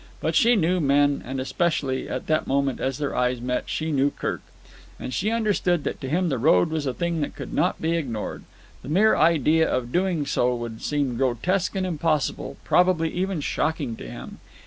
But she knew men, and especially, at that moment as their eyes met, she knew Kirk; and she understood that to him the road was a thing that could not be ignored. The mere idea of doing so would seem grotesque and impossible, probably even shocking, to him.